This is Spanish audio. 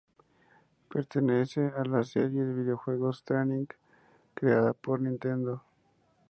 Pertenece a la serie de videojuegos Training, creada por Nintendo.